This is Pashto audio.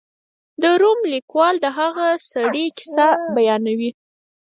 د روم لیکوال د هغه سړي کیسه بیانوي.